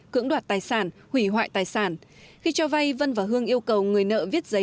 cưỡng đoạt tài sản hủy hoại tài sản khi cho vay vân và hương yêu cầu người nợ viết giấy